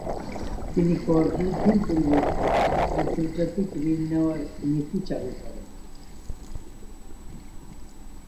তিনি কর বৃদ্ধির পরিবর্তে আন্তর্জাতিক ঋণ নেওয়ার নীতি চালু করেন।